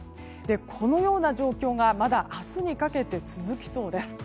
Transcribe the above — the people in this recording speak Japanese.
このような状況がまだ明日にかけて続きそうです。